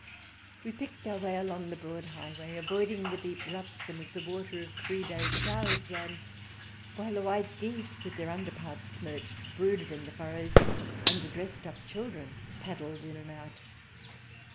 We picked our way along the broad highway, avoiding the deep ruts in which the water of three days' showers ran, while the white geese, with their under parts smirched, brooded in furrows, and the dressed up children paddled in and out.